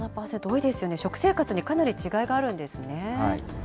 ２７％、多いですよね、食生活にかなり違いがあるんですね。